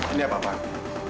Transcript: ini apa pak